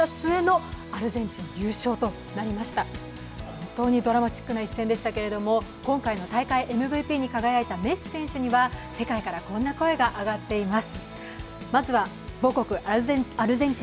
本当にドラマチックな一戦でしたけれども今回の大会ＭＶＰに輝いたメッシ選手には世界からこんな声が上がっています。